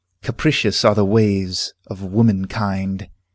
Capricious are the ways of womankind!